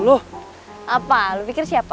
lu apa lu pikir siapa